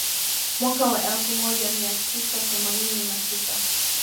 Mwaka wa elfu moja mia tisa themanini na tisa